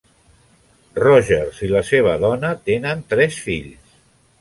Rogers i la seva dona tenen tres fills.